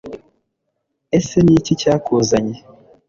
Ese Ni iki cyakuzanye